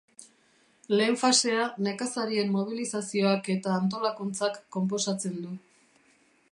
Lehen fasea nekazarien mobilizazioak eta antolakuntzak konposatzen du.